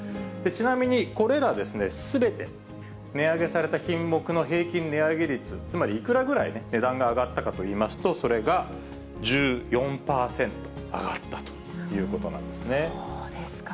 ちなみにこれらすべて、値上げされた品目の平均値上げ率、つまりいくらぐらい値段が上がったかといいますと、それが１４％そうですか。